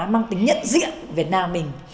mang tính nhận diện của việt nam mình